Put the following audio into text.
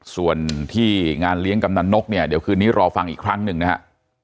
ส่วนที่งานเลี้ยงกำนันนกเนี่ยเดี๋ยวคืนนี้รอฟังอีกครั้งหนึ่งนะฮะ